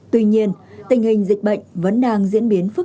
tuy nhiên tình hình dịch bệnh vẫn đang diễn biến phá hủy